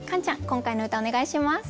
今回の歌お願いします。